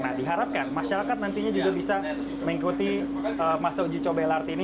nah diharapkan masyarakat nantinya juga bisa mengikuti masa uji coba lrt ini